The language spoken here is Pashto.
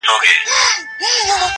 د پاچا په امیرانو کي امیر وو!